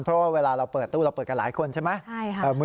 เพราะว่าเวลาเราเปิดตู้เราเปิดกันหลายคนใช่ไหม